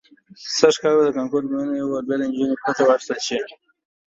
سږ کال به د کانکور ازموینه یو وار بیا له نجونو پرته واخیستل شي.